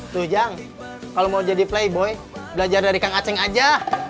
tuh jang kalau mau jadi playboy belajar dari kang acing aja